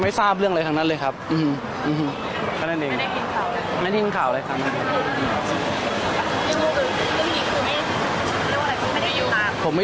แม่นั้นนิดหนึ่งเนอะ